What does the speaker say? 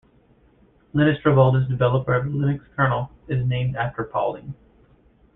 Linus Torvalds, developer of the Linux kernel, is named after Pauling.